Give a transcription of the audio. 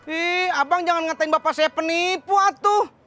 ih abang jangan ngatain bapak saya penipu atuh